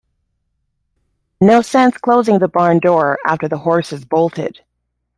No sense closing the barn door after the horse has bolted.